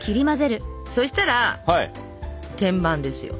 そしたら天板ですよ。